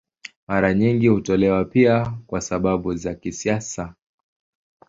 Mara nyingi hutolewa pia kwa sababu za kisiasa.